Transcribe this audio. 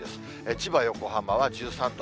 千葉、横浜は１３度。